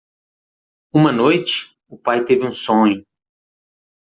Uma noite? o pai teve um sonho.